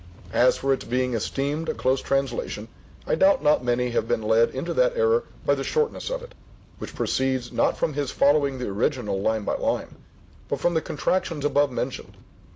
As for its being esteemed a close translation, I doubt not many have been led into that error by the shortness of it, which proceeds not from his following the original line by line, but from the contractions above mentioned.